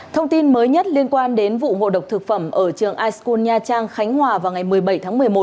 thông tin mới nhất liên quan đến vụ ngộ độc thực phẩm ở trường iskun nha trang khánh hòa vào ngày một mươi bảy tháng một mươi một